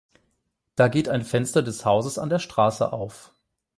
Da geht ein Fenster des Hauses an der Straße auf.